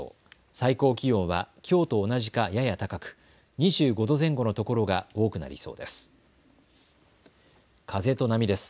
最高気温はきょうと同じかやや高く、２５度前後の所が多くなりそうです。